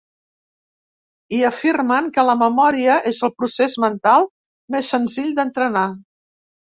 I afirmen que la memòria és el procés mental més senzill d’entrenar.